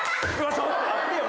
ちょっと待ってよ